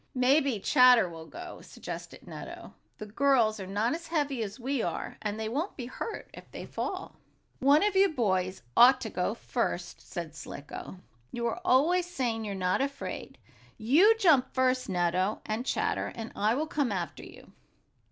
"Maybe Chatter will go," suggested Nutto. "The girls are not as heavy as we are, and they won't be hurt if they fall." "One of you boys ought to go first," said Slicko. "You are always saying you're not afraid. You jump first, Nutto, and Chatter and I will come after you."